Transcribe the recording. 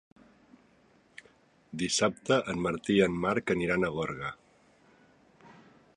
Dissabte en Martí i en Marc aniran a Gorga.